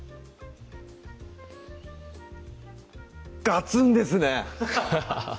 ガツンですね